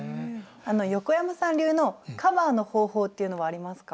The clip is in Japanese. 横山さん流のカバーの方法っていうのはありますか？